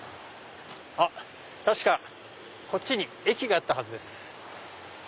あっ確かこっちに駅があったはずです。